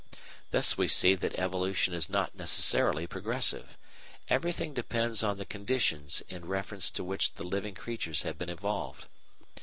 Thus we see that evolution is not necessarily progressive; everything depends on the conditions in reference to which the living creatures have been evolved.